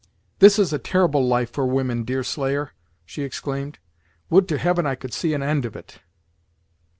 "This is a terrible life for women, Deerslayer!" she exclaimed. "Would to Heaven I could see an end of it!"